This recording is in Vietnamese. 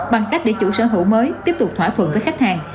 bằng cách để chủ sở hữu mới tiếp tục thỏa thuận với khách hàng